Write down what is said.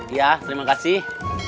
iya terima kasih